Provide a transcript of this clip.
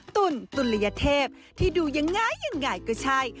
ตุ่นตุลยเทพที่ดูยังไงยังไงก็ใช่